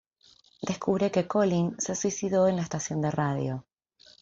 Descubre que Colin se suicidó en la estación de radio.